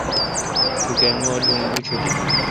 ٹوکان وا لون اوشٹ این۔